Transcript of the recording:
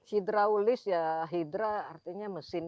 hidraulis ya hidra artinya mesin